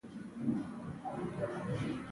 زړه مې له خوشالۍ ډک و.